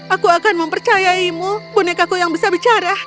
aku akan mempercayaimu bonekaku yang bisa bicara